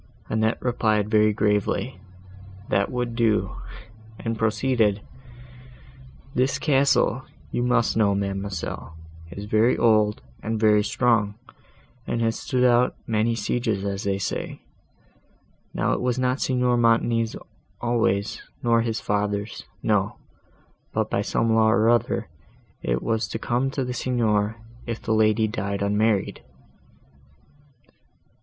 Annette replied very gravely, that would do, and proceeded—"This castle, you must know, ma'amselle, is very old, and very strong, and has stood out many sieges as they say. Now it was not Signor Montoni's always, nor his father's; no; but, by some law or other, it was to come to the Signor, if the lady died unmarried."